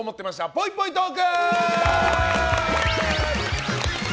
ぽいぽいトーク！